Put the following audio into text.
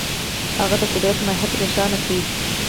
هغه د قدرت ماهیت روښانه کړ.